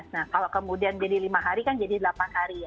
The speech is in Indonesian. nah kalau kemudian jadi lima hari kan jadi delapan hari ya